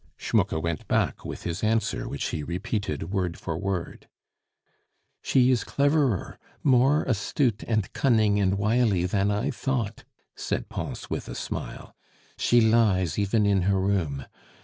Schmucke went back with his answer, which he repeated word for word. "She is cleverer, more astute and cunning and wily, than I thought," said Pons with a smile. "She lies even in her room.